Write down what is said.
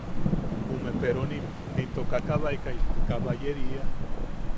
Jume peronim into kakabaek, kabayeria.